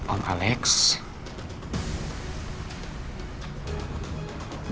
minta ke pihak kampus agar